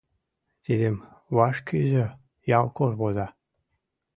Тидым «Вашкӱзӧ» ялкор воза.